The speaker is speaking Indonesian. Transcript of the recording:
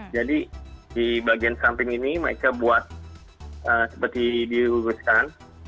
jadi di bagian samping ini mereka buat seperti diuruskan